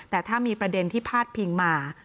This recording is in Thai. แต่ถ้ามีประเด็นที่พาดพิงมา